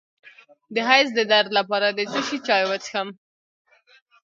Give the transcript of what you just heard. د حیض د درد لپاره د څه شي چای وڅښم؟